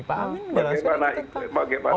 pak amin sudah langsung ikut campur